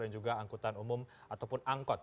dan juga angkutan umum ataupun angkot